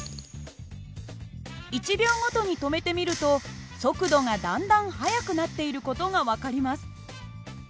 １秒ごとに止めてみると速度がだんだん速くなっている事が分かります。